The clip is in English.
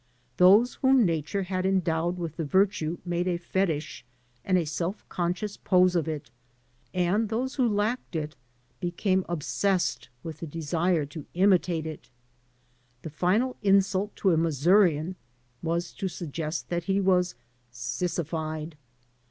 Those whom nature had endowed with the virtue made a fetish and a self conscious pose of it, and those who lacked it became obsessed with the desire to imitate it. The final insult to a Missourian was to suggest that he was "sissified."